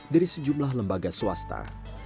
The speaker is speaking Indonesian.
dari sejumlah lembaga swasta